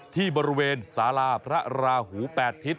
ที่บริเวณสาราพระราหู๘ทิศ